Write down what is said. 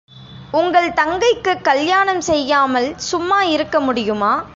உங்கள் தங்கைக்குக் கல்யாணம் செய்யாமல் சும்மாயிருக்க முடியுமா?